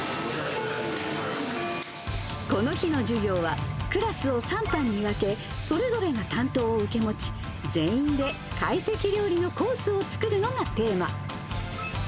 この日の授業は、クラスを３班に分け、それぞれが担当を受け持ち、全員で懐石料理のコースを作るのがテーマ。